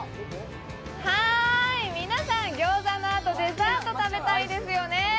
皆さん、餃子のあと、デザート食べたいですよね。